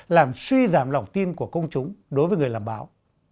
làm suy giảm lòng tin của công chúng đối với người làm báo